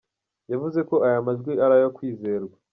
Yavuze ko aya majwi ari ayo kwizerwa.